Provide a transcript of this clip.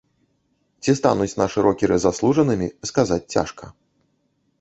Ці стануць нашы рокеры заслужанымі, сказаць цяжка.